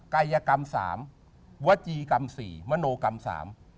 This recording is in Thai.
กายกรรมสามวจีกรรมสี่มโนกรรมสาม